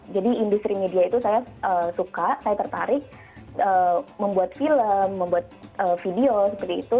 industri media itu saya suka saya tertarik membuat film membuat video seperti itu